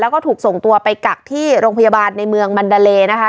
แล้วก็ถูกส่งตัวไปกักที่โรงพยาบาลในเมืองมันดาเลนะคะ